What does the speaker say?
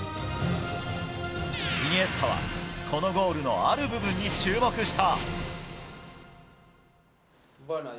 イニエスタは、このゴールのある部分に注目した。